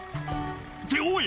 「っておい！